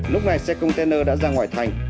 lúc này xe container đã ra ngoài thành